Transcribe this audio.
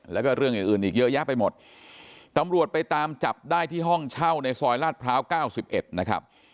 แล้วก็เรื่องอื่นอื่นอีกเยอะแยะไปหมดตำรวจไปตามจับได้ที่ห้องเช่าในซอยลาดพร้าว๙๑นะครับ